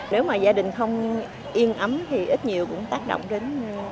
nếu mà gia đình không yên ấm thì ít nhiều cũng tác động đến